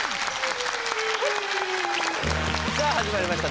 さあ始まりました